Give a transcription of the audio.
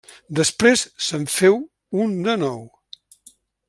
Després se’n féu un de nou.